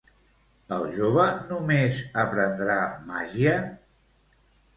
El jove només aprendrà màgia?